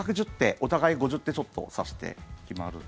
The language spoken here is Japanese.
お互い５０手ちょっと指して決まると。